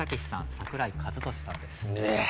櫻井和寿さんです。